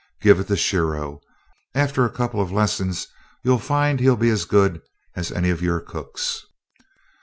Give it to Shiro after a couple of lessons, you'll find he'll be as good as any of your cooks."